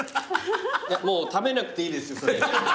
もう食べなくていいですよそれ。